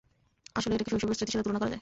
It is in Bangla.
এটাকে আসলে শৈশবের স্মৃতির সাথে তুলনা করা যায়!